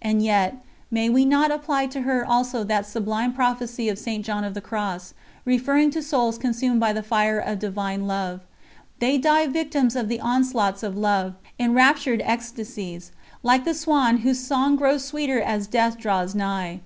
And yet, may we not apply to her also that sublime prophecy of St. John of the Cross, referring to souls consumed by the fire of Divine Love: "They die Victims of the onslaughts of Love, in raptured ecstasies like the swan, whose song grows sweeter as death draws nigh.